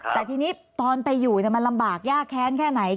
แต่ทีนี้ตอนไปอยู่มันลำบากยากแค้นแค่ไหน